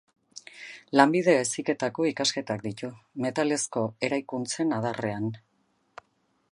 Lanbide Heziketako ikasketak ditu, metalezko eraikuntzen adarrean.